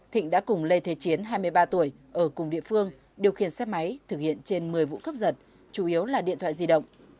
thịnh đã cùng lê thế chiến hai mươi ba tuổi ở cùng địa phương điều khiển xe máy thực hiện trên một mươi vụ cướp giật chủ yếu là điện thoại di động